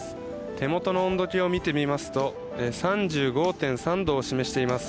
手元の温度計を見てみますと３５．３度を示しています。